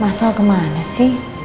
masa kemana sih